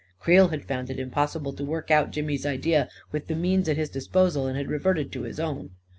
(Creel had found it impos sible to work out Jimmy's idea with the means at his disposal, and had reverted to his own.)